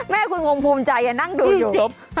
แม่คืองงภูมิใจยังนั่งดูอยู่